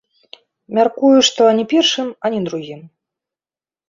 Мяркую, што ані першым, ані другім.